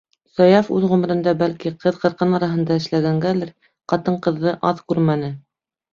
Саяф үҙ ғүмерендә, бәлки, ҡыҙ-ҡырҡын араһында эшләгәнгәлер, ҡатын-ҡыҙҙы аҙ күрмәне.